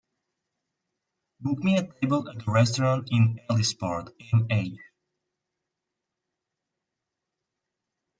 Book me a table at a restaurant in Ellisport, MH.